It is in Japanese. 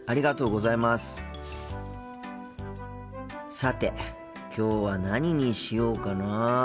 さてきょうは何にしようかな。